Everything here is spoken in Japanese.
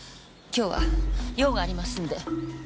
今日は用がありますんで。